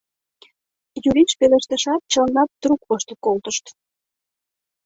— Юриш пелештышат, чыланат трук воштыл колтышт.